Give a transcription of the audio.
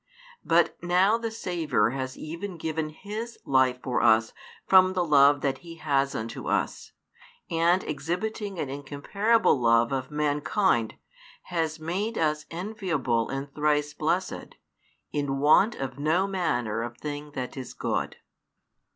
But now the Saviour has even given His life for us from the love that He has unto us, and, exhibiting an incomparable love of |403 mankind, has made us enviable and thrice blessed, in want of no manner of thing that is good.